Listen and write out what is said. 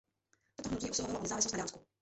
Toto hnutí usilovalo o nezávislost na Dánsku.